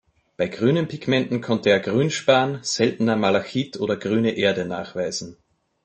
Bei grünen Pigmenten konnte er Grünspan, seltener Malachit oder „Grüne Erde“ nachweisen.